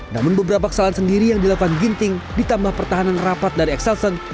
namun beberapa kesalahan sendiri yang dilakukan ginting ditambah pertahanan rapat dari exelsen